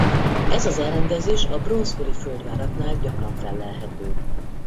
Ez az elrendezés a bronzkori földváraknál gyakran fellelhető.